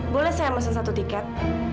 boleh saya mesen satu tiket